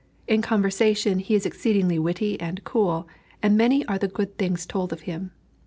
In conversation, he is exceedingly witty and "cool," and many are the good things told of him.